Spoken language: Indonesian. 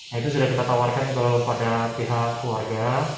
nah itu sudah kita tawarkan kepada pihak keluarga